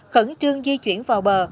khẩn trương di chuyển vào bờ